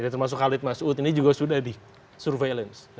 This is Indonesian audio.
jadi termasuk khalid mas'ud ini juga sudah di surveillance